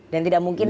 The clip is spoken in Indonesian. dan tidak mungkin